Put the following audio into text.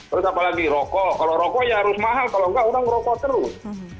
terus apalagi rokok kalau rokok ya harus mahal kalau enggak orang merokok terus